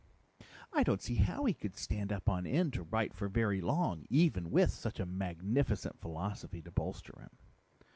_'" "I don't see how he could stand up on end to write for very long, even with such a magnificent philosophy to bolster him."